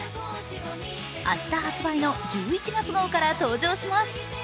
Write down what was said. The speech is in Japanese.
明日発売の１１月号から登場します。